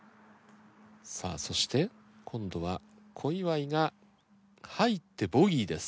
さあそして今度は小祝が入ってボギーです。